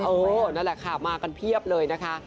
นั่นแหละค่ะมากันเพียบเลยนะคะ